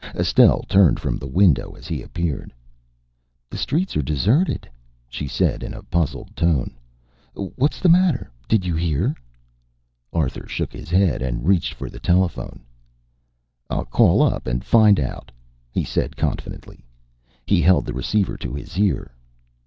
Estelle turned from the window as he appeared. "The streets are deserted," she said in a puzzled tone. "What's the matter? Did you hear?" Arthur shook his head and reached for the telephone. "I'll call up and find out," he said confidently. He held the receiver to his ear.